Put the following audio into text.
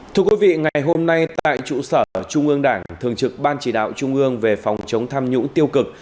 thưa quý vị ngày hôm nay tại trụ sở trung ương đảng thường trực ban chỉ đạo trung ương về phòng chống tham nhũng tiêu cực